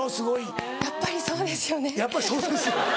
やっぱりそうですよね。